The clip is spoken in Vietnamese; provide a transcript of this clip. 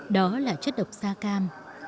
đó là chất độc sa cam